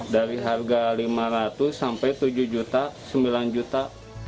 dari harga lima ratus sampai tujuh juta sembilan juta